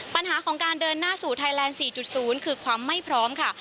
ปัญหาของการเดินหน้าสู่ไทยแลนด์๔๐คือความไม่พร้อมค่ะ